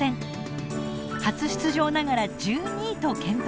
初出場ながら１２位と健闘しました。